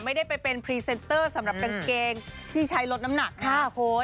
ไม่ได้ไปเป็นพรีเซนเตอร์สำหรับกางเกงที่ใช้ลดน้ำหนักค่ะคุณ